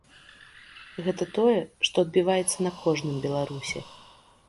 Гэта тое, што адбіваецца на кожным беларусе.